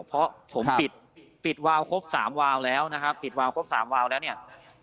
เพราะผมปิดปิดวาวครบ๓วาวแล้วนะครับปิดวาวครบ๓วาวแล้วเนี่ย